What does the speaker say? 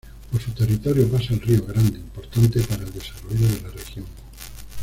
Por su territorio pasa el río Grande, importante para el desarrollo de la región.